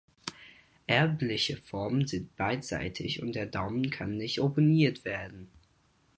Erbliche Formen sind beidseitig und der Daumen kann nicht opponiert werden.